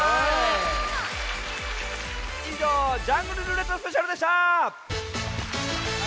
いじょう「ジャングルるーれっとスペシャル」でした！